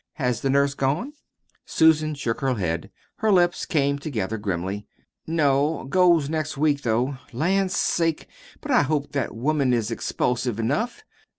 Has the nurse gone?" Susan shook her head. Her lips came together grimly. "No. Goes next week, though. Land's sakes, but I hope that woman is expulsive enough!